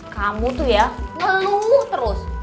kamu tuh ya ngeluh terus